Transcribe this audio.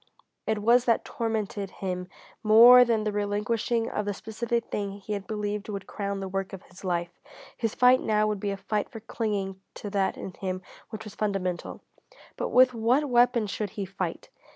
It was that tormented him more than the relinquishing of the specific thing he had believed would crown the work of his life. His fight now would be a fight for clinging to that in him which was fundamental. But with what weapon should he fight?